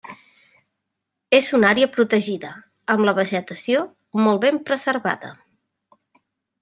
És una àrea protegida, amb la vegetació molt ben preservada.